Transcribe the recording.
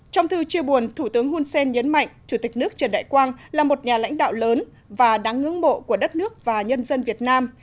trong thư chia buồn thủ tướng hun sen nhấn mạnh chủ tịch nước trần đại quang là một nhà lãnh đạo lớn và đáng ngưỡng mộ của đất nước và nhân dân việt nam